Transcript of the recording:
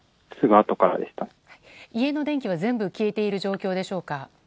家の電気は全部消えている状況でしょうか？